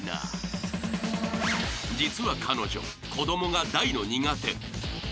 ［実は彼女子供が大の苦手］